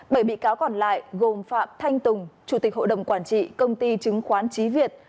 bảy bị cáo còn lại gồm phạm thanh tùng chủ tịch hội đồng quản trị công ty chứng khoán trí việt